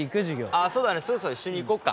あそうだね。そろそろ一緒に行こっか。